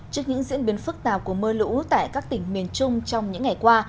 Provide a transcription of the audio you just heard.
trước những diễn biến phức tạp của mưa lũ tại các tỉnh miền trung trong những ngày qua